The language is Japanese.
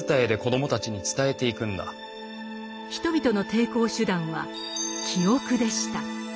人々の抵抗手段は「記憶」でした。